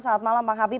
selamat malam bang habib